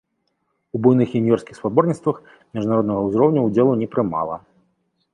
У буйных юніёрскіх спаборніцтвах міжнароднага ўзроўню ўдзелу не прымала.